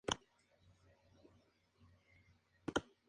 Un amigo suyo le pidió que lo acompañara a hacer una prueba con Uruguay.